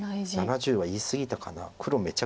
７０は言い過ぎたかな。